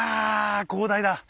広大だ。